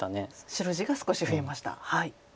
白地が少し増えました。